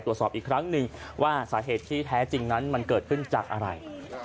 ตรวจสอบอีกครั้งหนึ่งว่าสาเหตุที่แท้จริงนั้นมันเกิดขึ้นจากอะไร